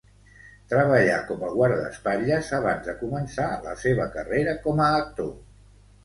Treballà com a guardaespatlles abans de començar la seva carrera com a actor.